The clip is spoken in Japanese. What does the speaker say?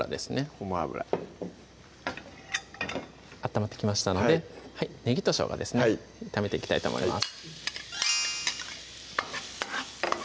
ごま油温まってきましたのでねぎとしょうがですね炒めていきたいと思います